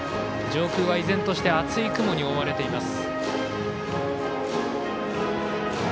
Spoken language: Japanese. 上空は依然として厚い雲に覆われています。